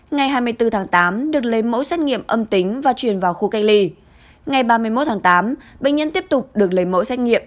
ngày hai mươi bốn tháng tám được lấy mẫu xét nghiệm âm tính và chuyển vào khu cách ly ngày ba mươi một tháng tám bệnh nhân tiếp tục được lấy mẫu xét nghiệm